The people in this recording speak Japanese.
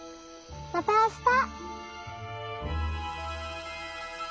またあした。